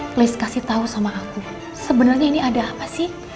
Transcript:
place kasih tau sama aku sebenarnya ini ada apa sih